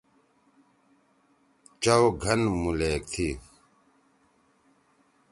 چؤ گھن مُلیک تھی۔